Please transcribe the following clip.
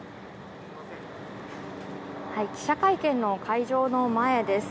記者会見の会場の前です。